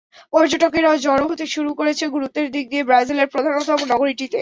পর্যটকেরাও জড়ো হতে শুরু করেছে গুরুত্বের দিক দিয়ে ব্রাজিলের প্রধানতম নগরীটিতে।